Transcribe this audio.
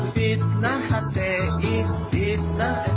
fitnah hti fitnah fdi